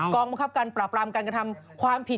กรรมบังคับการปราบรามการกระทำความผิด